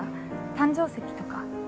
誕生石とか？